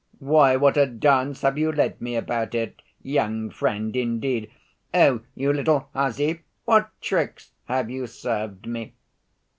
Why, what a dance have you led me about it! Young friend, indeed! O you little hussy, what tricks have you served me!"